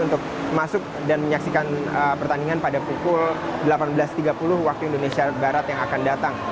untuk masuk dan menyaksikan pertandingan pada pukul delapan belas tiga puluh waktu indonesia barat yang akan datang